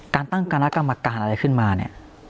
ตั้งคณะกรรมการอะไรขึ้นมาเนี่ย